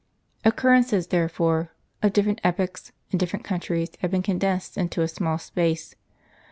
Occurrences, therefore, of different epochs and dif ferent countries have been condensed into a small space.